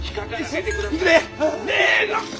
せの！